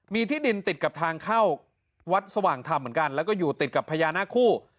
มีที่ดินติดกับทางเข้าวัดสว่างธรรมเหมือนกันแล้วก็อยู่ติดกับพญานาคู่